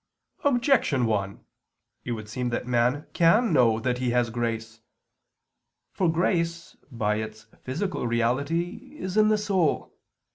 Objection 1: It would seem that man can know that he has grace. For grace by its physical reality is in the soul.